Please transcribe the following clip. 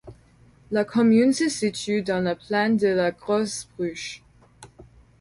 La commune se situe dans la plaine de la Großes Bruch.